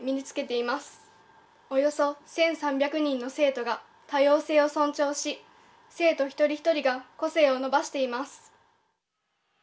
およそ１３００人の生徒が多様性を尊重し、生徒一人一人が個性を伸ばしています。